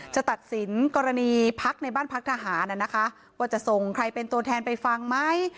จะตัดสินกรณีพักในบ้านพักทหารนะคะว่าจะส่งใครเป็นตัวแทนไปฟังไหม